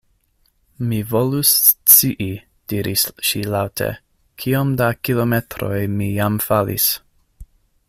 "Mi volus scii," diris ŝi laŭte, "kiom da kilometroj mi jam falis."